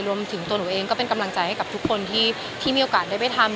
รวมถึงตัวหนูเองก็เป็นกำลังใจให้กับทุกคนที่มีโอกาสได้ไปทำ